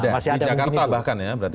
masih ada di jakarta bahkan ya berarti